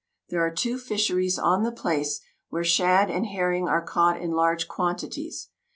There are two fisheries on the place, where shad and herring are caught in large quantities.